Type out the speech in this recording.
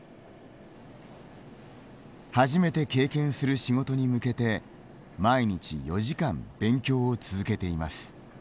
初めて経験する仕事に向けて毎日４時間、勉強を続けています。